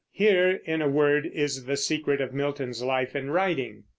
Here, in a word, is the secret of Milton's life and writing.